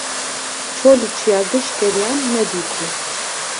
Çol û çiya gişt geriyan nedîtin.